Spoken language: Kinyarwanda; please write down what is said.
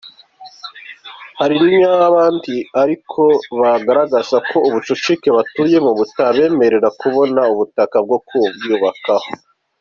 Hari n’abandi ariko bagaragaza ko ubucucike batuyemo, butanabemerera kubona ubutaka bwo kubyubakaho.